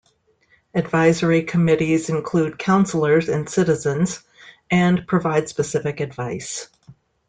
Advisory committees include Councillors and citizens, and provide specific advice.